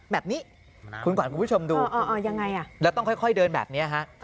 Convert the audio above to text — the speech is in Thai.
แบบนี้คุณขวัญคุณผู้ชมดูแล้วต้องค่อยเดินแบบนี้ฮะ